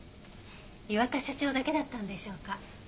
磐田社長だけだったんでしょうか？